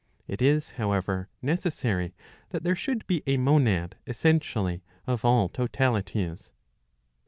It is, however, necessary that there should be a monad essentially of all totalities.